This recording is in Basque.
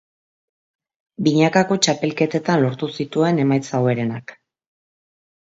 Binakako txapelketetan lortu zituen emaitza hoberenak.